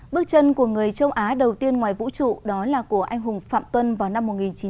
bước chân của người châu á đầu tiên ngoài vũ trụ đó là của anh hùng phạm tuân vào năm một nghìn chín trăm bảy mươi